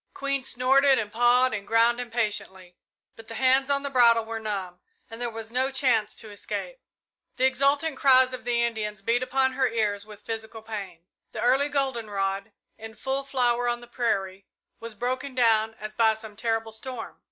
Queen snorted and pawed the ground impatiently, but the hands on the bridle were numb, and there was no chance to escape. The exultant cries of the Indians beat upon her ears with physical pain. The early goldenrod, in full flower on the prairie, was broken down as by some terrible storm.